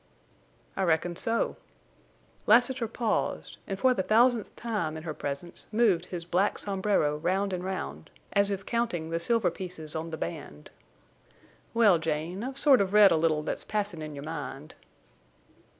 "I reckon so." Lassiter paused, and for the thousandth time in her presence moved his black sombrero round and round, as if counting the silver pieces on the band. "Well, Jane, I've sort of read a little that's passin' in your mind."